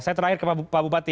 saya terakhir ke pak bupati